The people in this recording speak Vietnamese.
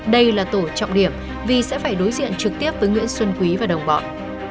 đây là tổ trọng điểm vì sẽ phải đối diện trực tiếp với nguyễn xuân quý và đồng bọn